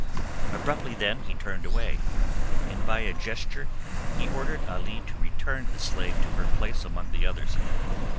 Abruptly then he turned away, and by a gesture he ordered Ali to return the slave to her place among the others.